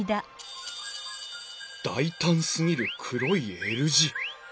大胆すぎる黒いＬ字。